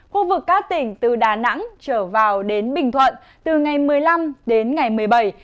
khu vực các tỉnh từ đà nẵng trở vào đến bình thuận từ ngày một mươi năm đến ngày một mươi bảy